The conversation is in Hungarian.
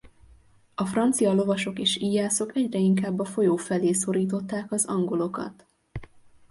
A francia lovasok és íjászok egyre inkább a folyó felé szorították az angolokat.